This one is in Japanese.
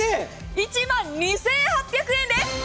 １万２８００円です！